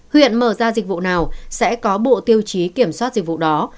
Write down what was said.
huyện mở ra dịch vụ nào sẽ có bộ tiêu chí kiểm soát dịch vụ đó